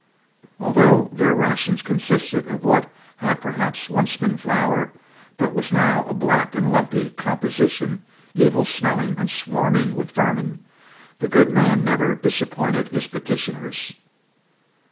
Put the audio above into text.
Although their rations consisted of what had perhaps once been flour, but was now a black and lumpy composition, evil smelling and swarming with vermin, the good man never disappointed his petitioners.